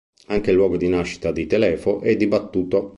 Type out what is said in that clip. Anche il luogo di nascita di Telefo è dibattuto.